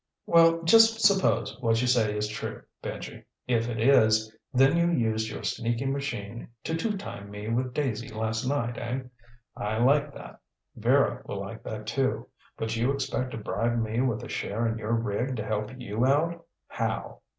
"Well, just suppose what you say is true, Benji. If it is, then you used your sneaky machine to two time me with Daisy last night, eh? I like that. Vera will like that, too. But you expect to bribe me with a share in your rig to help you out. How?